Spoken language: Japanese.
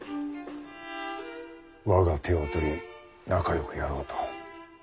我が手を取り仲よくやろうと。